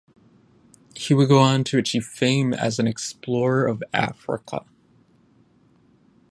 He would go on to achieve fame as an explorer of Africa.